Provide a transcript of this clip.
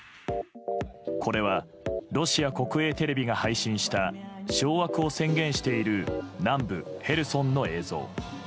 これは、ロシア国営テレビが配信した掌握を宣言している南部ヘルソンの映像。